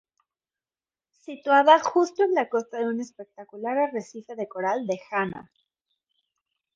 Situada justo en la costa de un espectacular arrecife de coral de Hanna.